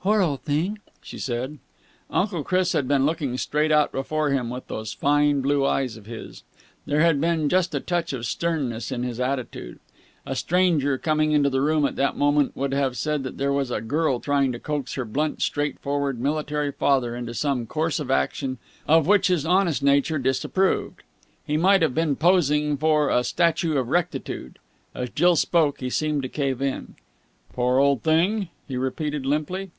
"Poor old thing!" she said. Uncle Chris had been looking straight out before him with those fine blue eyes of his. There had been just a touch of sternness in his attitude. A stranger, coming into the room at that moment, would have said that here was a girl trying to coax her blunt, straightforward, military father into some course of action of which his honest nature disapproved. He might have been posing for a statue of Rectitude. As Jill spoke, he seemed to cave in. "Poor old thing?" he repeated limply.